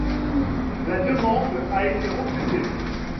La demande a été refusée.